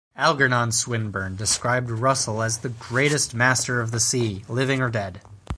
Algernon Swinburne described Russell as the greatest master of the sea, living or dead.